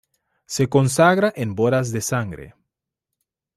Se consagra en Bodas de sangre.